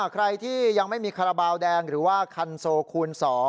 ใครที่ยังไม่มีคาราบาลแดงหรือว่าคันโซคูณ๒